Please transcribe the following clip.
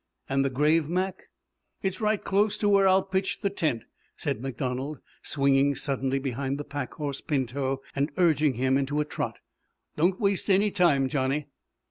"And the grave, Mac?" "Is right close to where I'll pitch the tent," said MacDonald, swinging suddenly behind the pack horse Pinto, and urging him into a trot. "Don't waste any time, Johnny."